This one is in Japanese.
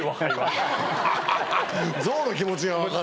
ゾウの気持ちが分かる？